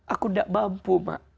aku tidak mampu mak